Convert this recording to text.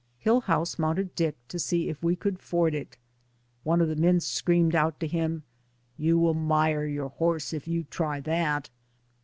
Hill house mounted Dick to see if we could ford it. One of the men screamed out at him: "You will mire your horse if you try that."